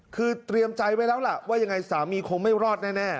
คือเตรียมใจไว้แล้วล่ะว่ายังไงสามีคงไม่รอดแน่